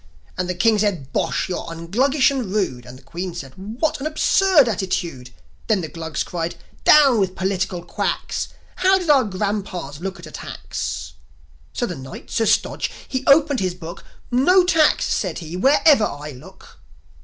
And the King said, "Bosh! You're un Gluggish and rude!" And the Queen said, "What an absurd attitude!" Then the Glugs cried, "Down with political quacks! How did our grandpas look at a tax?" So the Knight, Sir Stodge, he opened his Book. "No tax," said he, "wherever I look."